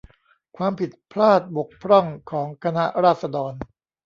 ความผิดพลาดบกพร่องของคณะราษฎร